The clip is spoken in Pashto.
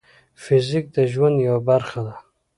فزیک د ژوند یوه برخه ده.